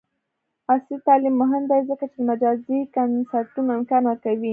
عصري تعلیم مهم دی ځکه چې د مجازی کنسرټونو امکان ورکوي.